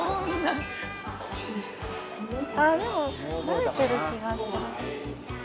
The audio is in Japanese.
あっでも慣れてる気がする。